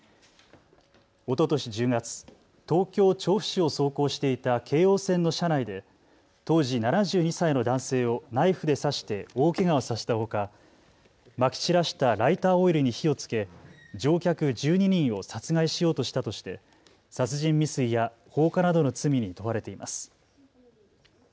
おととし１０月、東京調布市を走行していた京王線の車内で当時、７２歳の男性をナイフで刺して大けがをさせたほか、まき散らしたライターオイルに火をつけ、乗客１２人を殺害しようとしたとして殺人未遂や放火などの罪に問われています。